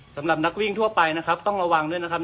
สำหรับนักวิ่งทั่วไปนะครับต้องระวังด้วยนะครับ